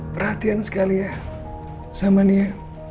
perhatian sekali ya sama nia